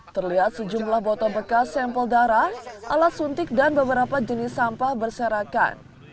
terlihat sejumlah botol bekas sampel darah alat suntik dan beberapa jenis sampah berserakan